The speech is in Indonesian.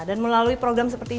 dan melalui program seperti ini